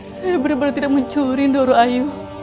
saya benar benar tidak mencuri doro ayu